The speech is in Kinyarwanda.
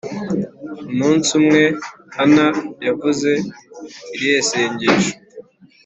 Umunsi umwe Hana yavuze irihe sengesho